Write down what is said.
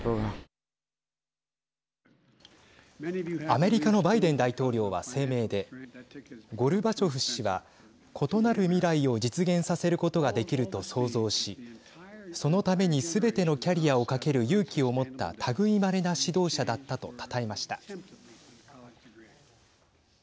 アメリカのバイデン大統領は声明でゴルバチョフ氏は異なる未来を実現させることができると想像しそのために、すべてのキャリアをかける勇気を持ったたぐいまれな指導者だったとたたえました。